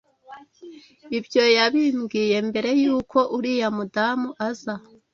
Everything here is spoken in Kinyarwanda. Ibyo yabimbwiye mbere y’uko uriya mudamu aza.”